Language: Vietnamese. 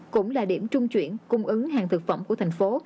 cũng là điểm trung chuyển cung ứng hàng thực phẩm của thành phố